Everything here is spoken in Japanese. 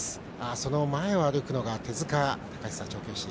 その前を歩くのが手塚貴久調教師